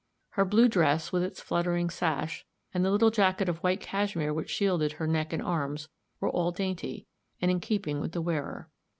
Her blue dress, with its fluttering sash, and the little jacket of white cashmere which shielded her neck and arms, were all dainty, and in keeping with the wearer.